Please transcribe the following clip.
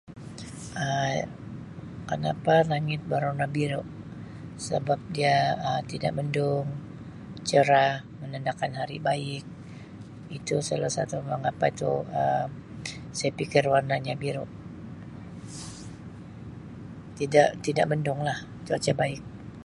Um Kanapa langit berwarna biru sebab dia Um tidak mendung cerah menandakan hari baik itu salah satu mengapa itu Um saya pikir warnanya biru, tidak-tidak mendung lah, cuaca baik.